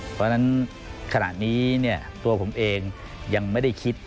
เพราะฉะนั้นขณะนี้ตัวผมเองยังไม่ได้คิด